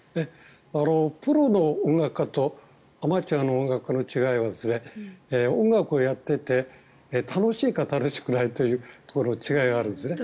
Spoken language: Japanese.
プロの音楽家とアマチュアの音楽家の違いは音楽をやっていて楽しくか楽しくないかという違いがあるんですね。